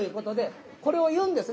これを言うんですね。